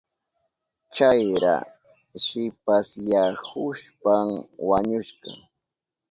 Chayra shipasyahushpan wañushka.